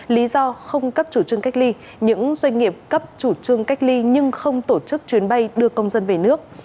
lý do không cấp chủ trương cách ly những doanh nghiệp cấp chủ trương cách ly nhưng không tổ chức chuyến bay đưa công dân về nước